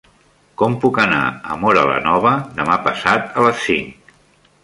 Com puc anar a Móra la Nova demà passat a les cinc?